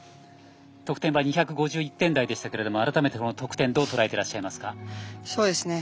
得点は２５１点台でしたが改めて、この得点どうとらえていらっしゃいますか。